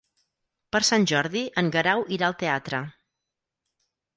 Per Sant Jordi en Guerau irà al teatre.